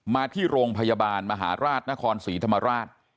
มาที่โรงพยาบาลมหาราชนครศรีธรรมราช